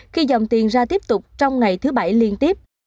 khi dòng tiền ra tiếp tục trong ngày thứ bảy liên tiếp